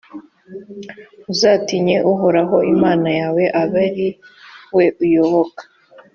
uzatinye uhoraho imana yawe, abe ari we uyoboka